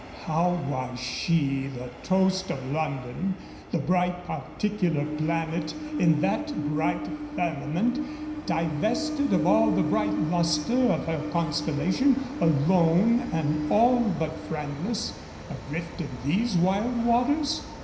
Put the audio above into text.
How was she, the toast of London, the bright particular planet in that bright firmament, divested of all the bright luster of her constellation, alone and all but friendless, adrift in these wild waters?